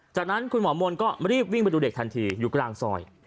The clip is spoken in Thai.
จากนั้นคุณหมอมนต์ก็รีบวิ่งไปดูเด็กทันทีอยู่กลางซอย